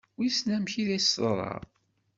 Wissen amek i as-teḍra?